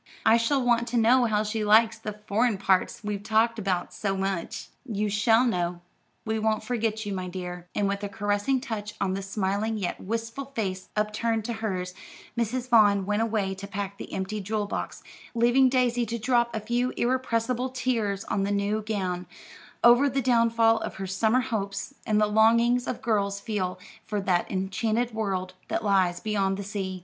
I shall want to know how she likes the 'foreign parts' we've talked about so much." "You shall know. We won't forget you, my dear," and with a caressing touch on the smiling yet wistful face upturned to hers, Mrs. Vaughn went away to pack the empty jewel box, leaving Daisy to drop a few irrepressible tears on the new gown, over the downfall of her summer hopes, and the longings all girls feel for that enchanted world that lies beyond the sea.